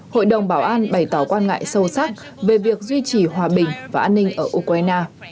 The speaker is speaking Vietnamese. hội đồng bảo an bày tỏ quan ngại sâu sắc về việc duy trì hòa bình và an ninh ở ukraine